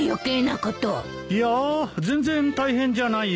いや全然大変じゃないよ。